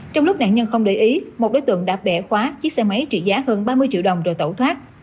trong lúc nạn nhân không để ý một đối tượng đã bẻ khóa chiếc xe máy trị giá hơn ba mươi triệu đồng rồi tẩu thoát